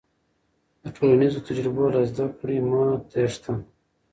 د ټولنیزو تجربو له زده کړې مه تېښته.